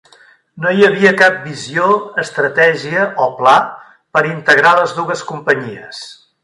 No hi havia cap visió, estratègia o pla per integrar les dues companyies.